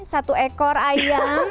satu ekor ayam